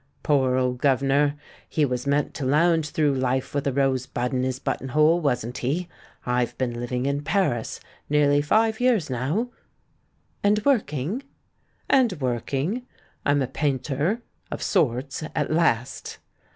Poor old governor ! he was meant to lounge through life with a rose bud in his buttonhole, wasn't he? I've been hving in Paris nearly five years now." "And working?" "And working. I'm a painter, of sorts, at last."